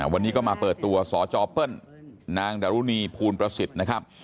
วันนี้ก็มาเปิดตัวสจเปิ้ลนางดารุณีภูลประสิทธิ์นะครับ